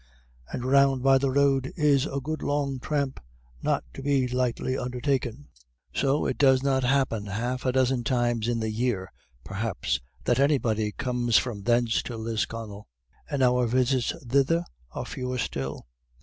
And round by the road is a good long tramp, not to be lightly undertaken. So it does not happen half a dozen times in the year, perhaps, that anybody comes from thence to Lisconnel, and our visits thither are fewer still.